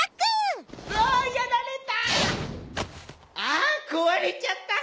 あー壊れちゃった。